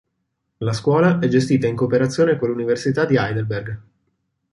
La scuola è gestita in cooperazione con l'Università di Heidelberg.